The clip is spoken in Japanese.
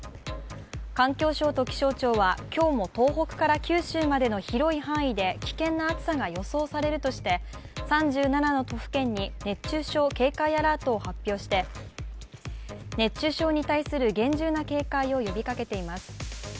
環境省と気象庁は今日も東北から九州までの広い範囲で危険な暑さが予想されるとして、３７の都府県に熱中症警戒アラートを発表して、熱中症に対する厳重な警戒を呼びかけています。